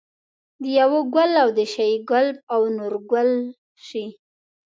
دېوه ګل او د شیګل او د نورګل سي